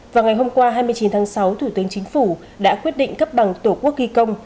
vào ngày hôm qua hai mươi chín tháng sáu thủ tướng chính phủ đã quyết định cấp bằng tổ quốc ghi công